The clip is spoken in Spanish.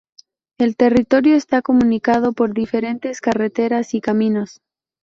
El territorio está comunicado por diferentes carreteras y caminos.